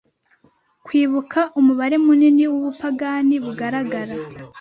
kwibuka umubare munini wubupagani bugaragara